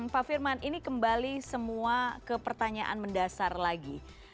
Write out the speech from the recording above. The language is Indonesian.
pak firman ini kembali semua ke pertanyaan mendasar lagi